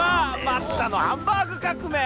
松田のハンバーグ革命！